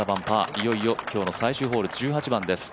いよいよ今日の最終ホール１８番です。